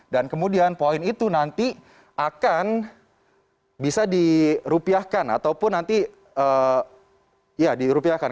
dan kemudian poin itu nanti akan bisa dirupiahkan ataupun nanti ya dirupiahkan